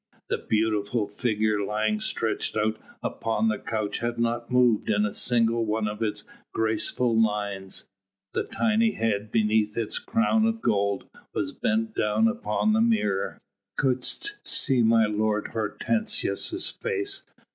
The beautiful figure lying stretched out upon the couch had not moved in a single one of its graceful lines. The tiny head beneath its crown of gold was bent down upon the mirror. "Couldst see my lord Hortensius' face?"